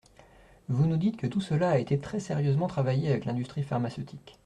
Vous nous dites que tout cela a été très sérieusement travaillé avec l’industrie pharmaceutique.